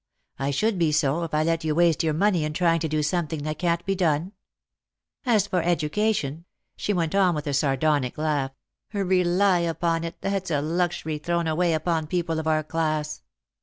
I should be so, if I let you waste your money in trying to do something that can't be done. As for education," she went on with a sar donic laugh, " rely upon it that's a luxury thrown away upon people of our class.